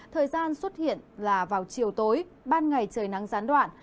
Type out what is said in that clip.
thời gian xuất hiện là vào chiều tối ban ngày trời nắng gián đoạn